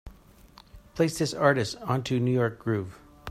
Place this artist onto new york groove.